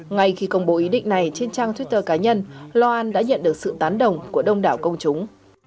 ngay khi công bố ý định này trên trang twitter cá nhân loan đã nhận được sự tán đồng của đông đảo công chúng